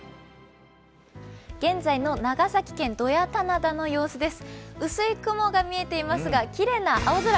現在の長崎の土谷棚田の様子です。